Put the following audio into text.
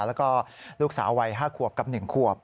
แล้วก็ลูกสาววัย๕ขวบกับ๑ขวบ